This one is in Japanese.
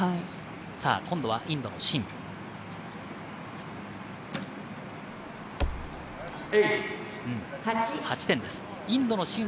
今度はインドのシン。